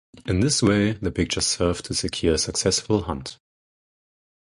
In this way, the pictures served to secure a successful hunt.